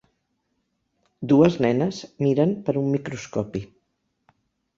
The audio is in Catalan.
Dues nenes miren per un microscopi.